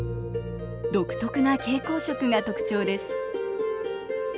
独特な蛍光色が特徴です。